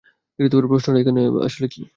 প্রশ্নটা এখানে কী আসলে?